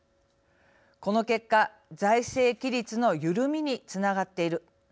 この結果財政規律のゆるみにつながっている。